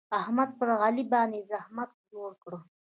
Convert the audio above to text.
احمد پر علي باندې زحمت جوړ کړ.